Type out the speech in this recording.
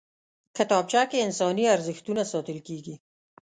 کتابچه کې انساني ارزښتونه ساتل کېږي